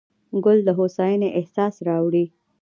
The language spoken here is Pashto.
ګل د هوساینې احساس راوړي.